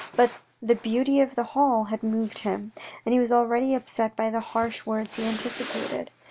But the beauty of the hall had moved him, and he was already upset by the harsh words he anticipated.